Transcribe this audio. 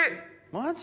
マジ！